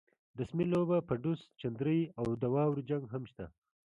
رسمۍ لوبه، پډوس، چندرۍ او د واورو جنګ هم شته.